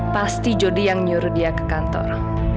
pasti jody yang nyuruh dia ke kantor